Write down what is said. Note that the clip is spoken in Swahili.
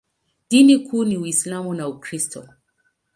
Dini kuu ni Uislamu na Ukristo.